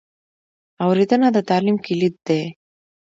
اورېدنه د تعلیم کلید دی.